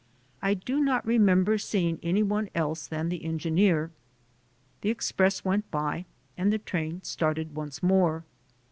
I do not re member seeing any one else than the engineer. The express went by and the train started once more.